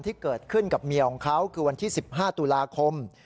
ที่เกิดขึ้นกับเมียของเขาคือวันที่๑๕ตุลาคม